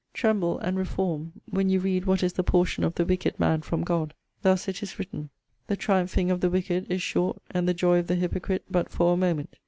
Tremble and reform, when you read what is the portion of the wicked man from God. Thus it is written: 'The triumphing of the wicked is short, and the joy of the hypocrite but for a moment.